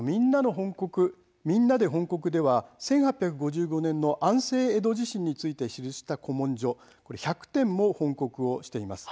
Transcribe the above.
「みんなで翻刻」では１８５５年の安政江戸地震について記した古文書１００点も翻刻しています。